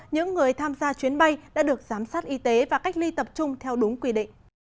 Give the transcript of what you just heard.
những người tham gia chuyến bay đã được giám sát y tế và cách ly tập trung theo đúng quy định